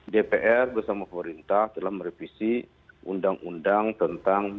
dpr bersama pemerintah telah merevisi undang undang tentang